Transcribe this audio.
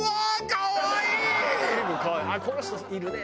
あっこの人いるね！